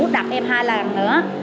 đập em hai lần nữa